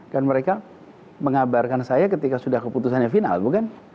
kan mereka mengabarkan saya ketika sudah keputusannya final bukan